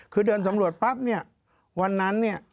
คือเดินสำรวจปั๊บวันนั้น